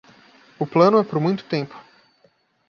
O plano é por muito tempo